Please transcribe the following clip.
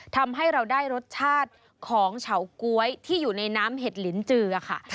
ทำให้เราได้รสชาติของเฉาก๊วยที่อยู่ในน้ำเห็ดลินจือค่ะ